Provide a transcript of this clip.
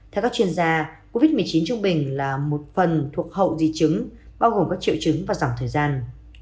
theo các chuyên gia covid một mươi chín trung bình là một phần thuộc hậu di chứng bao gồm các triệu chứng và giảm thời gian